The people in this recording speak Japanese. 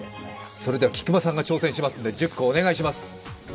それでは菊間さんが挑戦しますので、１０個お願いします。